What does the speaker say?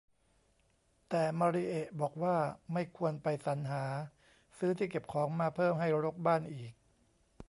แต่มาริเอะบอกว่าไม่ควรไปสรรหาซื้อที่เก็บของมาเพิ่มให้รกบ้านอีก